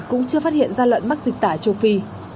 cũng chưa phát hiện ra lợn mắc dịch tả châu phi